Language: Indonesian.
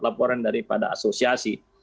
laporan daripada asosiasi